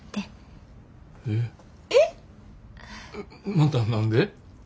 また何で？